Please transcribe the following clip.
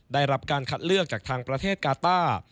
ได้รับการคัดเลือกจากทางประเทศกาต้า